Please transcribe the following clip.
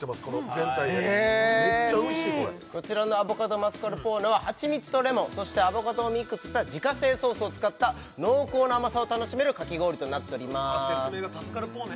全体でめっちゃおいしいこれこちらのアボカドマスカルポーネはハチミツとレモンそしてアボカドをミックスした自家製ソースを使った濃厚な甘さを楽しめるかき氷となっておりますああ説明が助かるポーネ